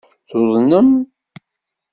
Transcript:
Tuḍnem.